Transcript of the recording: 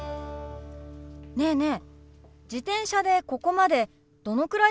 ねえねえ